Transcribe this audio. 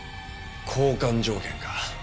交換条件か。